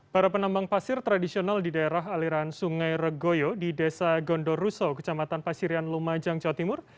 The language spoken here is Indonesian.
para penambang pasir tradisional di daerah aliran sungai regoyo di desa gondoruso kecamatan pasirian lumajang jawa timur